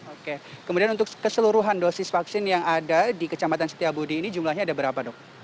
oke kemudian untuk keseluruhan dosis vaksin yang ada di kecamatan setiabudi ini jumlahnya ada berapa dok